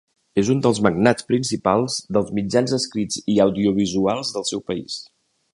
És un dels magnats principals dels mitjans escrits i audiovisuals del seu país.